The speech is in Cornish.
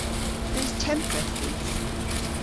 Eus tempredh dhis?